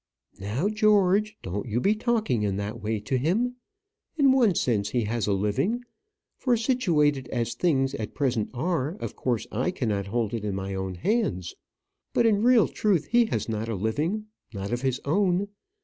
"Now, George, don't you be talking in that way to him. In one sense he has a living; for, situated as things at present are, of course I cannot hold it in my own hands. But in real truth he has not a living not of his own.